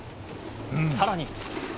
更に。